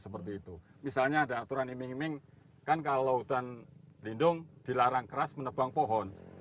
seperti itu misalnya ada aturan iming iming kan kalau hutan lindung dilarang keras menebang pohon